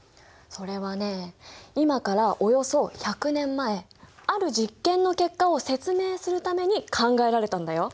それはね今からおよそ１００年前ある実験の結果を説明するために考えられたんだよ。